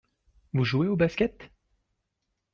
Vous jouez au Basket ?